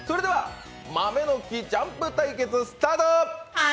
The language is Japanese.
「まめのきジャンプ」対決、スタート！